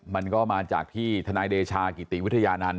มันก็มาจากที่ทนายเดชากิติวิทยานันต